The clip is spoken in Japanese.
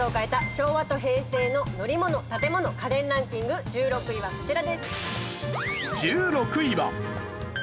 昭和と平成の乗り物・建物・家電ランキング１６位はこちらです。